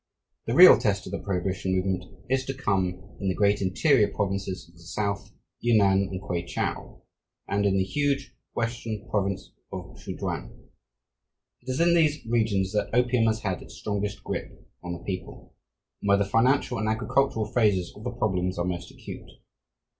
The real test of the prohibition movement is to come in the great interior provinces of the South, Yunnan and Kweichou, and in the huge western province of Sze chuan. It is in these regions that opium has had its strongest grip on the people, and where the financial and agricultural phases of the problems are most acute.